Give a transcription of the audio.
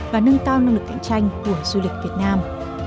và nâng cao năng lực cạnh tranh của du lịch việt nam